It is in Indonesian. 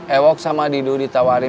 ewok sama didu ditawarin